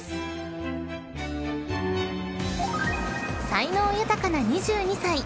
［才能豊かな２２歳］